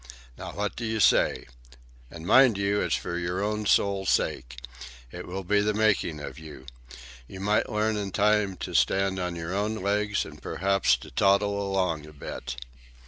Now what do you say? And mind you, it's for your own soul's sake. It will be the making of you. You might learn in time to stand on your own legs, and perhaps to toddle along a bit."